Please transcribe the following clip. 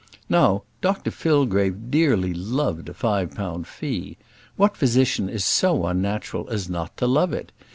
Now Dr Fillgrave dearly loved a five pound fee. What physician is so unnatural as not to love it?